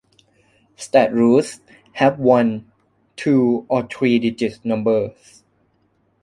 State routes have one, two or three-digit numbers.